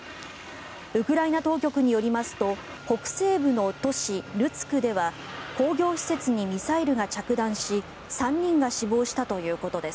ウクライナ当局によりますと北西部の都市ルツクでは工業施設にミサイルが着弾し３人が死亡したということです。